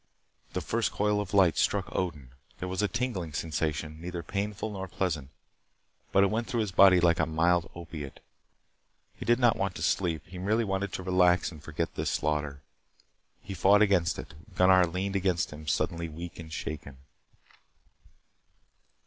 The first coil of light struck Odin. There was a tingling sensation, neither painful nor pleasant. But it went through his body like a mild opiate. He did not want to sleep. He merely wanted to relax and forget this slaughter. He fought against it. Gunnar leaned against him, suddenly weak and shaken.